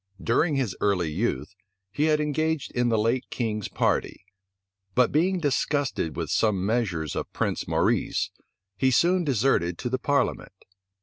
During his early youth, he had engaged in the late king's party; but being disgusted with some measures of Prince Maurice, he soon deserted to the parliament.